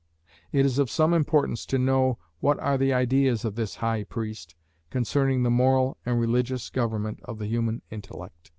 It is of some importance to know what are the ideas of this High Priest, concerning the moral and religious government of the human intellect.